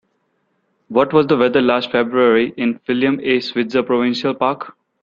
What was the weather last February in William A. Switzer Provincial Park?